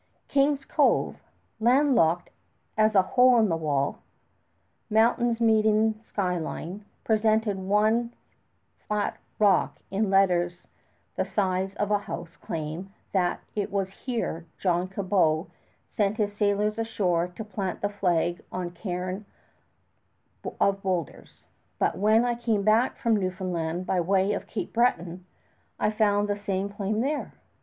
King's Cove, landlocked as a hole in a wall, mountains meeting sky line, presented on one flat rock in letters the size of a house claim that it was here John Cabot sent his sailors ashore to plant the flag on cairn of bowlders; but when I came back from Newfoundland by way of Cape Breton, I found the same claim there.